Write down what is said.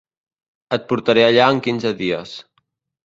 Et portaré allà en quinze dies.